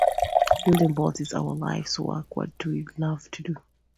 Building boats is our life's work, what we love to do.